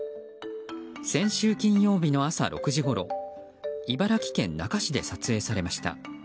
先週金曜日の朝６時ごろ茨城県那珂市で撮影されました。